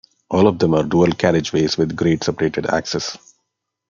All of them are dual carriageways with grade-separated access.